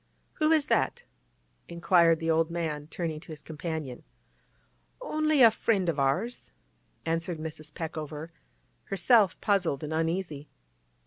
'Who is that?' inquired the old man, turning to his companion. 'Only a friend of ours,' answered Mrs. Peckover, herself puzzled and uneasy.